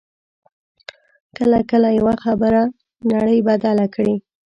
کله کله یوه خبره نړۍ بدله کړي